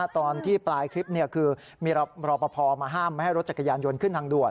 ตอนที่ปลายคลิปมีรับประพอมาห้ามให้รถจักรยานยนต์ขึ้นทางด่วน